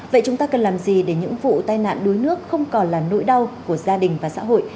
vậy chúng ta cần làm gì để những vụ tai nạn đuối nước không còn là nỗi đau của gia đình và xã hội